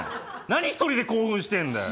何一人で興奮してんだよ。